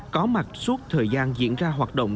có mặt suốt thời gian diễn ra hoạt động